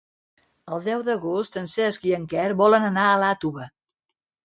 El deu d'agost en Cesc i en Quer volen anar a Iàtova.